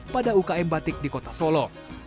pada ukm batik di kota solo